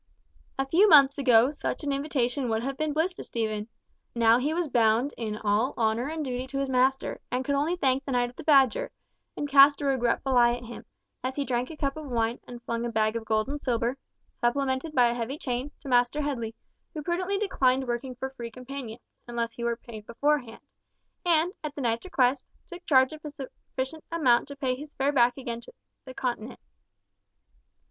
A few months ago such an invitation would have been bliss to Stephen. Now he was bound in all honour and duty to his master, and could only thank the knight of the Badger, and cast a regretful eye at him, as he drank a cup of wine, and flung a bag of gold and silver, supplemented by a heavy chain, to Master Headley, who prudently declined working for Free Companions, unless he were paid beforehand; and, at the knight's request, took charge of a sufficient amount to pay his fare back again to the Continent.